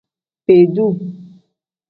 Beeduu.